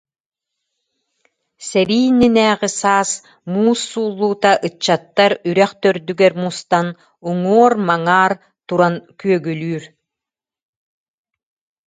Сэрии иннинээҕи саас муус суллуута ыччаттар үрэх төрдүгэр мустан, уңуор-маңаар туран күөгүлүүр,